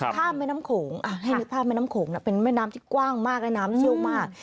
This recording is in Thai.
แม่น้ำโขงให้นึกภาพแม่น้ำโขงนะเป็นแม่น้ำที่กว้างมากและน้ำเชี่ยวมาก